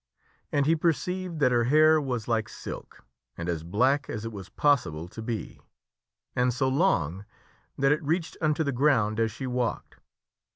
And he perceived that her hair was like silk and as black as it was possible to be, and so long that it reached unto the ground as she walked.